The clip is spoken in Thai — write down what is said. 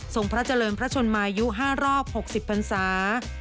พระเจริญพระชนมายุ๕รอบ๖๐พันศา